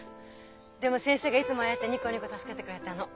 でも先生がいつもああやってニコニコ助けてくれたの。